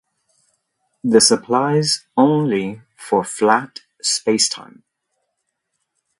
This applies only for flat spacetime.